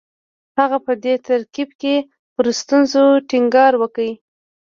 هغه په دې ترکیب کې پر ستونزو ټینګار وکړ